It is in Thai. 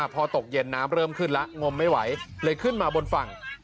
พอตกเย็นน้ำเริ่มขึ้นแล้วงมไม่ไหวเลยขึ้นมาบนฝั่ง